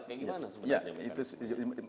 kayak gimana sebenarnya